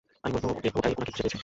আমি বলবো ওটাই ওনাকে খুঁজে পেয়েছে।